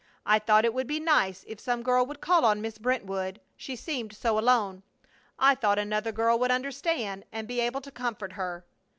I thought it would be nice if some girl would call on Miss Brentwood; she seemed so alone. I thought another girl would understand and be able to comfort her."